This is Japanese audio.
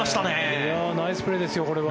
ナイスプレーですよ、これは。